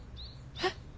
えっ！？